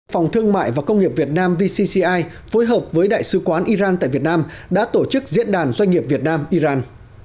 phòng thương mại và công nghiệp việt nam vcci phối hợp với đại sứ quán iran tại việt nam đã tổ chức diễn đàn doanh nghiệp việt nam iran